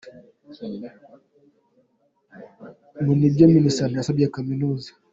Mu nibwo Minisante yasabye Kaminuza.